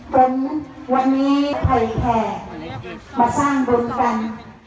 จนวันนี้เผยแผ่มาสร้างบุญกัน